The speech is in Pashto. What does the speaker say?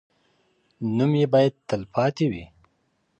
نوم یې باید تل پاتې وي.